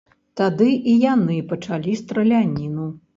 Тады і яны пачалі страляніну.